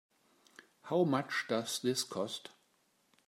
How much does this cost?